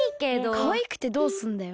かわいくてどうすんだよ。